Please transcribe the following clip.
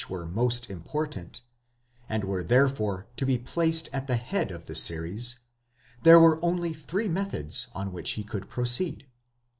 were most important, and were therefore to be placed at the head of the series, there were only three methods on which he could proceed.